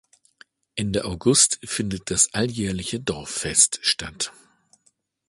Ende August findet das alljährliche Dorffest statt.